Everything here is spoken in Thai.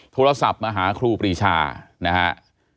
โทรศัพท์มาหาครูปรีชานะฮะ